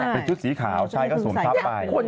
เป็นชุดสีขาวชายก็สวมทับไป